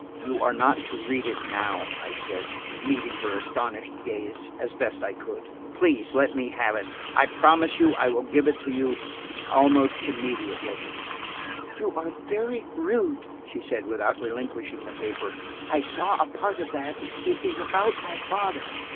"You are not to read it now," I said, meeting her astonished gaze as best I could. "Please let me have it. I promise you I will give it to you–almost immediately." "You are very rude," she said without relinquishing the paper. "I saw a part of that; it is about my father!"